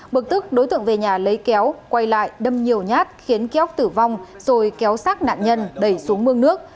bực tức đối tượng về nhà lấy kéo quay lại đâm nhiều nhát khiến keoc tử vong rồi kéo sát nạn nhân đẩy xuống mương nước